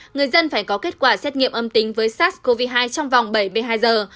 người dân phải có kết quả xét nghiệm âm tính với sars cov hai trong vòng bảy mươi hai giờ